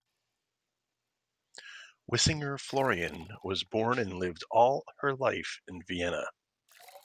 Wisinger-Florian was born and lived all her life in Vienna.